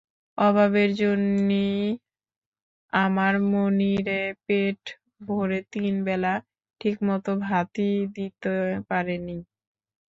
অভাবের জন্যি আমার মনিরে পেট ভরে তিন বেলা ঠিকমতো ভাতই দিতি পারিনে।